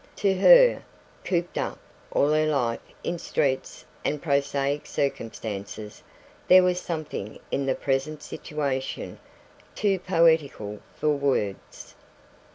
To her, cooped up all her life in streets and prosaic circumstances, there was something in the present situation too poetical for words.